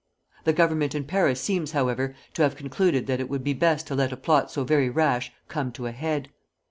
The Government in Paris seems, however, to have concluded that it would be best to let a plot so very rash come to a head.